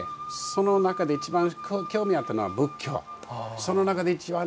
その中で一番興味あったのは禅宗。